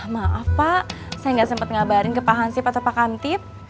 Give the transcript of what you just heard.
maaf pak saya nggak sempat ngabarin ke pak hansip atau pak kamtip